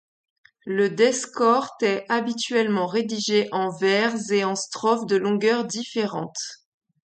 Le descort est habituellement rédigé en vers et en strophe de longueurs différentes.